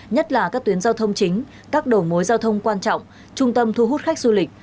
nhất là các tuyến giao thông chính các đầu mối giao thông quan trọng trung tâm thu hút khách du lịch